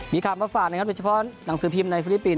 มีคลามภาษาเฉพาะหนังสือพิมพ์ในฟิลิปปินส์